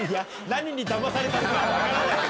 何にだまされたのかは分からないけどな。